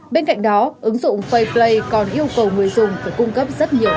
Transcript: bên cạnh đó ứng dụng faceplay còn yêu cầu người dùng phải cung cấp rất nhiều thông tin